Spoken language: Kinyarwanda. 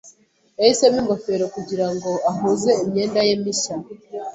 Yahisemo ingofero kugirango ahuze imyenda ye mishya.